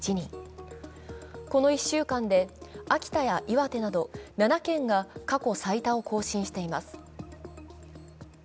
この１週間で秋田や岩手など７県が過去最多を更新しています。